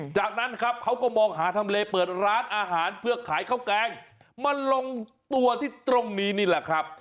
จากนั้นครับเขาก็มองหาทำเลเปิดร้านอาหารเพื่อขายข้าวแกงมาลงตัวที่ตรงนี้นี่แหละครับ